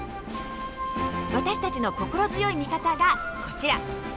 私たちの心強い味方がこちら。